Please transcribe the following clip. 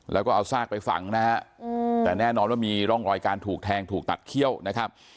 แล้วก็เอาซากไปฝังนะฮะแต่แน่นอนว่ามีร่องรอยการถูกแทงถูกตัดเขี้ยวนะครับ